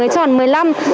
tròn mười năm